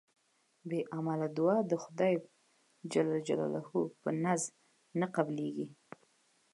بی عمله دوعا د خدای ج په نزد نه قبلېږي